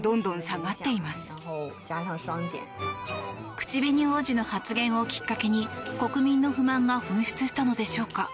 口紅王子の発言をきっかけに国民の不満が噴出したのでしょうか。